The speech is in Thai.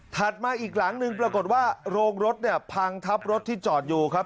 มาอีกหลังหนึ่งปรากฏว่าโรงรถเนี่ยพังทับรถที่จอดอยู่ครับ